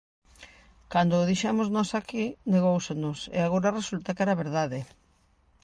Cando o dixemos nós aquí, negóusenos, e agora resulta que era verdade.